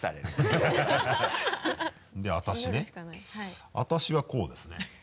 私はこうですね。